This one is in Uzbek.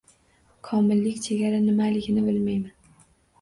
Komillik chegara nimaligini bilmaydi.